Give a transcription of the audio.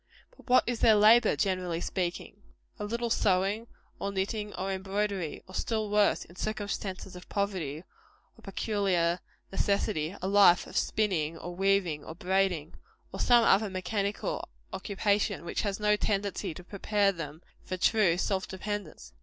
But what is their labor, generally speaking? A little sewing, or knitting, or embroidery; or still worse, in circumstances of poverty or peculiar necessity, a life of spinning, or weaving, or braiding; or some other mechanical occupation which has no tendency to prepare them for true self dependence.